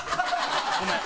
ごめん。